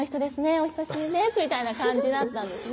「お久しぶりです」みたいな感じだったんですね